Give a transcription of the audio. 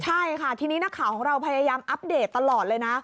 ใช่ค่ะทีนี้นักข่าวของเราพยายามอัปเดตตลอดเลยนะ